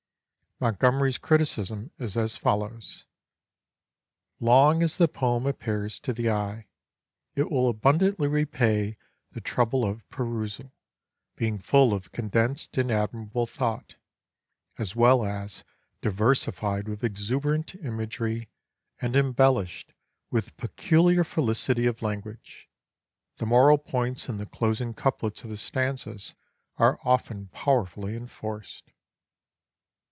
Montgomery's criticism is as follows:—'Long as the poem appears to the eye, it will abundantly repay the trouble of perusal, being full of condensed and admirable thought, as well as diversified with exuberant imagery, and embellished with peculiar felicity of language: the moral points in the closing couplets of the stanzas are often powerfully enforced.